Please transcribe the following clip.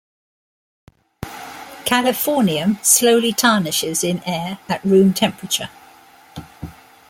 Californium slowly tarnishes in air at room temperature.